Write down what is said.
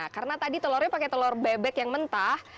karena tadi telurnya pakai telur bebek yang mentah